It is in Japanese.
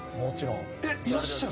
えっいらっしゃる！？